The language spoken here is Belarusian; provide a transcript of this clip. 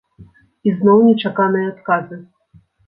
І зноў нечаканыя адказы!